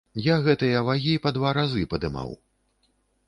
Я гэтыя вагі па два разы падымаў.